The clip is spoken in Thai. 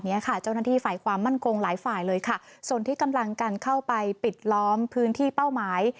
ค่ะเจ้าหน้าที่ฝ่ายความมั่นคงหลายฝ่ายเลยค่ะส่วนที่กำลังกันเข้าไปปิดล้อมพื้นที่เป้าหมาย